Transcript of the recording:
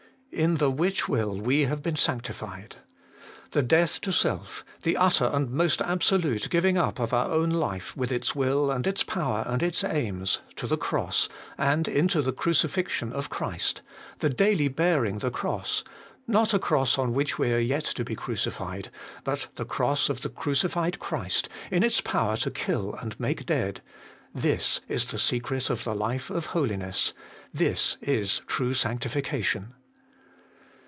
' In the which will we have been sanctified.' The death to self, the utter and most absolute giving up of our own life, with its will and its power and its aims, to the cross, and into the crucifixion of Christ, the daily bearing the cross not a cross on which we are yet to be crucified, but the cross of the crucified Christ in its power to kill and make dead this is the secret of the life of holiness this is true sanctification.